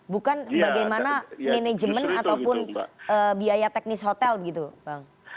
bukan bagaimana manajemen ataupun biaya teknis hotel begitu bang